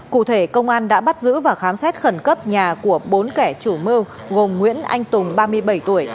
cụ thể công an đã bắt giữ và khám xét khẩn cấp nhà của bốn kẻ chủ mưu gồm nguyễn anh tùng ba mươi bảy tuổi